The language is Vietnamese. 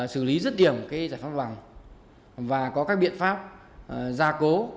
xử lý rất điểm giải pháp vàng và có các biện pháp gia cố